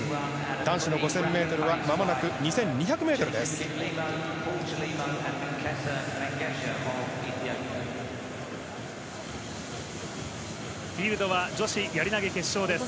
男子の５０００ｍはまもなく２２００ｍです。